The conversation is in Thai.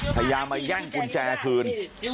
พยายามมาแย่งกุญแจคืน